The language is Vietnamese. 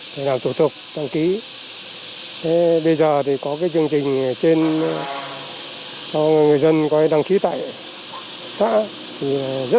xã thủ tục đăng ký bây giờ thì có cái chương trình trên cho người dân quay đăng ký tại xã rất